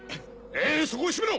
えいそこを閉めろ！